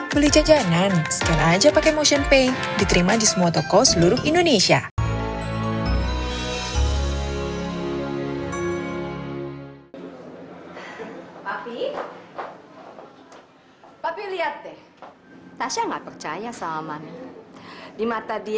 beli jajanan scan aja pake motionpay diterima di semua toko seluruh indonesia